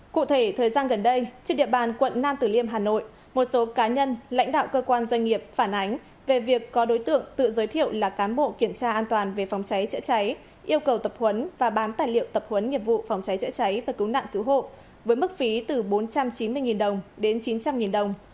cụ thể thời gian gần đây trên địa bàn quận nam tử liêm hà nội một số cá nhân lãnh đạo cơ quan doanh nghiệp phản ánh về việc có đối tượng tự giới thiệu là cán bộ kiểm tra an toàn về phòng cháy chữa cháy yêu cầu tập huấn và bán tài liệu tập huấn nghiệp vụ phòng cháy chữa cháy và cứu nạn cứu hộ với mức phí từ bốn trăm chín mươi đồng đến chín trăm linh đồng